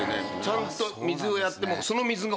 ちゃんと水をやっても。